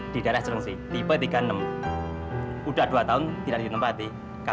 kita harus bersembunyi dari mereka